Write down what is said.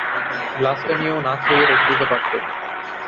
গ্লাসটা নিয়েও না খেয়ে রেখে দিতে পারতেন।